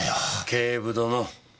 警部殿。